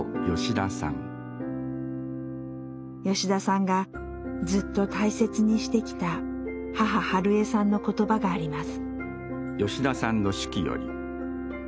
吉田さんがずっと大切にしてきた母ハルヱさんの言葉があります。